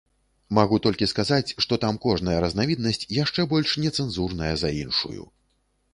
Магу толькі сказаць, што там кожная разнавіднасць яшчэ больш нецэнзурная за іншую.